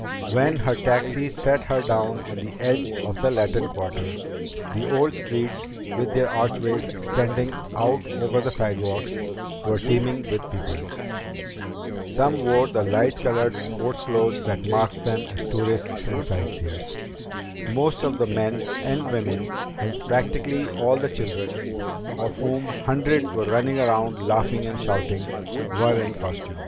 When her taxi set her down on the edge of the Latin Quarter, the old streets, with their archways extending out over the sidewalks, were teeming with people. Some wore the light colored sports clothes that marked them as tourists and sight seers. Most of the men and women, and practically all the children of whom hundreds were running around laughing and shouting were in costume.